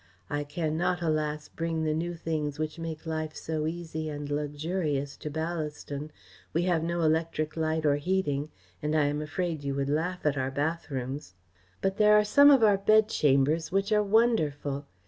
I cannot, alas, bring the new things which make life so easy and luxurious to Ballaston. We have no electric light or heating, and I am afraid you would laugh at our bathrooms. But there are some of our bedchambers which are wonderful.